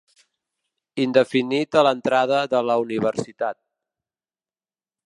Indefinit a l'entrada de la universitat.